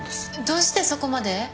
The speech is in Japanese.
どうしてそこまで？